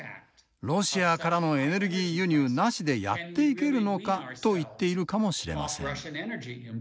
ロシアからのエネルギー輸入なしでやっていけるのかと言っているかもしれません。